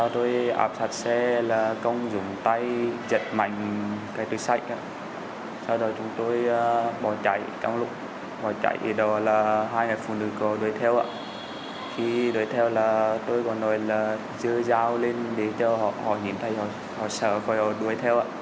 tôi còn nói là dưa dao lên để cho họ nhìn thấy họ sợ họ đuổi theo ạ